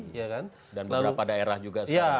dan beberapa daerah juga